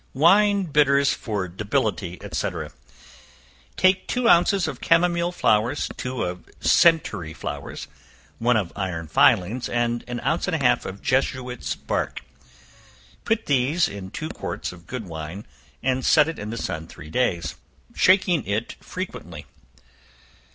Wine Bitters for Debility, &c. Take two ounces of chamomile flowers, two of centaury flowers, one of iron filings, and an ounce and a half of Jesuit's bark; put these in two quarts of good wine, and set it in the sun three days, shaking; it frequently.